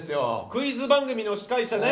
クイズ番組の司会者ね。